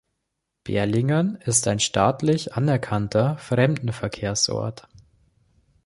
Berlingen ist ein staatlich anerkannter Fremdenverkehrsort.